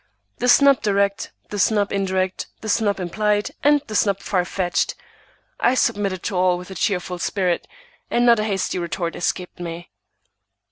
The snub direct, the snub indirect, the snub implied, and the snub far fetched,—I submitted to all with a cheerful spirit, and not a hasty retort escaped me.